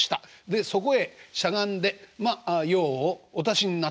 でそこへしゃがんでまあ用をお足しになった。